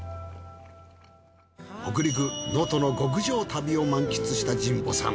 北陸能登の極上旅を満喫した神保さん。